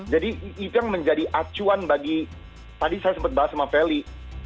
jadi itu yang menjadi acuan bagi tadi saya sempet bahas sama feli